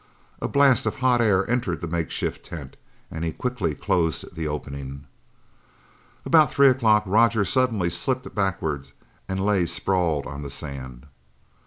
A blast of hot air entered the makeshift tent and he quickly closed the opening. About three o'clock Roger suddenly slipped backward and lay sprawled on the sand.